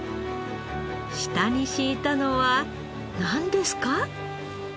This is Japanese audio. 下に敷いたのはなんですか？